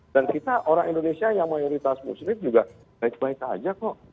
dan kita orang indonesia yang mayoritas muslim juga baik baik saja kok